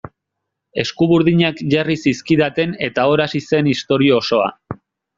Eskuburdinak jarri zizkidaten eta hor hasi zen historia osoa.